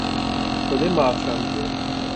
Xwedê me afirandiye.